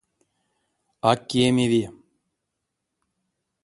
А кемеви.